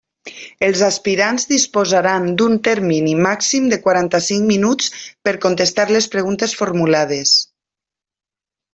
Els aspirants disposaran d'un termini màxim de quaranta-cinc minuts per contestar les preguntes formulades.